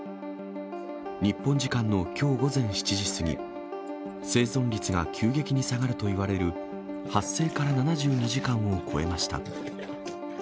日本時間のきょう午前７時過ぎ、生存率が急激に下がるといわれる、発生から７２時間を超えました。